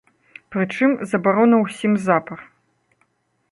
Прычым, забарона ўсім запар.